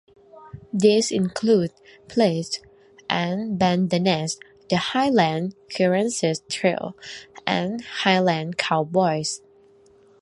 These include "Plaids and Bandanas", "The Highland Clearances Trail" and "Highland Cowboys".